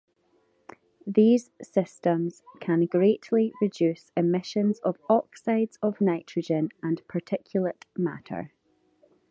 These systems can greatly reduce emissions of oxides of nitrogen and particulate matter.